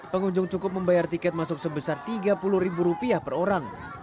pengunjung cukup membayar tiket masuk sebesar tiga puluh ribu rupiah per orang